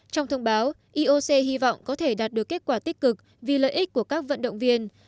trong thông báo ioc hy vọng có thể đạt được kết quả tích cực vì lợi ích của các vận động viên